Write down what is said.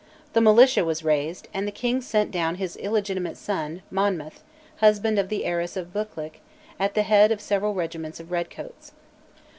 The militia was raised, and the king sent down his illegitimate son, Monmouth, husband of the heiress of Buccleuch, at the head of several regiments of redcoats.